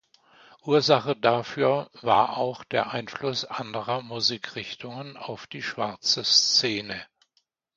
Ursache dafür war auch der Einfluss anderer Musikrichtungen auf die Schwarze Szene.